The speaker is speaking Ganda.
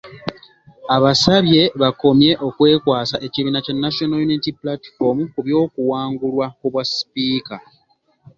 Abasabye bakomye okwekwasa ekibiina kya National Unity Platform ku by’okuwangulwa ku bwasipiika.